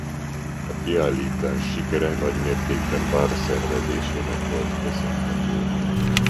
A kiállítás sikere nagymértékben Barr szervezésének volt köszönhető.